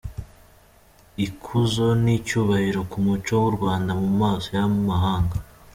Ikuzo n’icyubahiro ku muco w’u Rwanda mu maso y’amahanga.